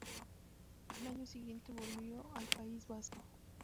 Al año siguiente volvió al País Vasco.